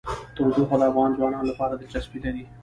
تودوخه د افغان ځوانانو لپاره دلچسپي لري.